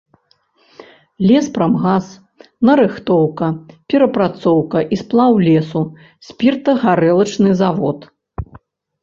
Леспрамгас, нарыхтоўка, перапрацоўка і сплаў лесу, спіртагарэлачны завод.